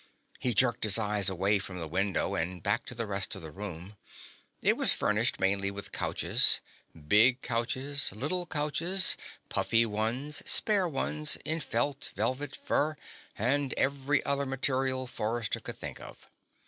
He jerked his eyes away from the window and back to the rest of the room. It was furnished mainly with couches: big couches, little couches, puffy ones, spare ones, in felt, velvet, fur, and every other material Forrester could think of.